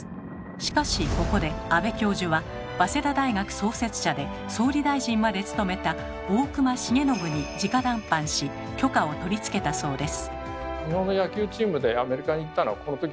しかしここで安部教授は早稲田大学創設者で総理大臣まで務めた大隈重信に直談判し許可を取り付けたそうです。